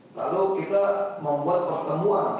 kalau kita membuat pertemuan